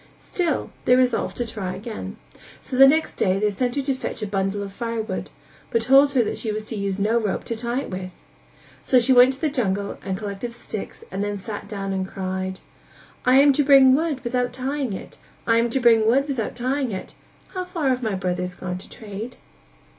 Still they resolved to try again; so the next day they sent her to fetch a bundle of fire wood, but told her that she was to use no rope to tie it with. So she went to the jungle and collected the sticks and then sat down and cried: "I am to bring wood without tying it, I am to bring wood without tying it, How far have my brothers gone to trade?"